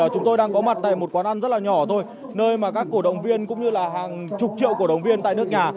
chúng tôi đang có mặt tại một quán ăn rất là nhỏ thôi nơi mà các cổ động viên cũng như là hàng chục triệu cổ động viên tại nước nhà